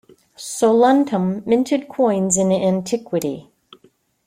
Soluntum minted coins in antiquity.